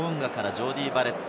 ジョーディー・バレット。